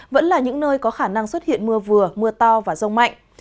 vẫn là những nơi có khả năng xuất hiện mưa vừa mưa to và rông mạnh